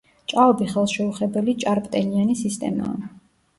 ჭაობი ხელშეუხებელი ჭარბტენიანი სისტემაა.